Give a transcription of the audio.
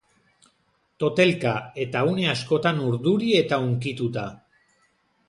Totelka, eta une askotan urduri eta hunkituta.